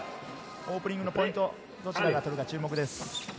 オープニングのポイント、どちらが取るか注目です。